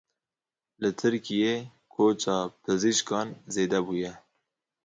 Li Tirkiyeyê koça pizîşkan zêde bûye.